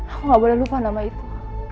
aku gak boleh lupa nama itu